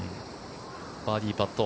バーディーパット。